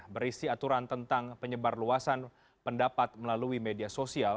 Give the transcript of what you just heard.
berisi aturan tentang penyebar luasan pendapat melalui media sosial